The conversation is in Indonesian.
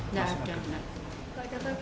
nggak ada nggak ada